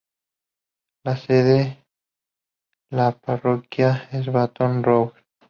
La sede de la parroquia es Baton Rouge.